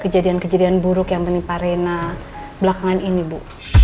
kejadian kejadian buruk yang menimpa reina belakangan ini bu